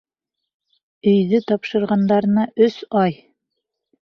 Өйҙө тапшырғандарына өс ай!